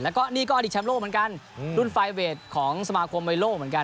แล้วก็นี่ก็อดีตแชมป์โลกเหมือนกันรุ่นไฟเวทของสมาคมไวโลเหมือนกัน